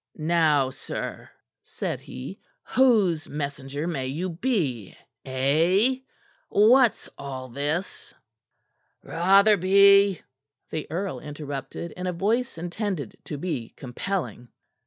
"Now, sir," said he, "whose messenger may you be, eh? What's all this " "Rotherby!" the earl interrupted in a voice intended to be compelling.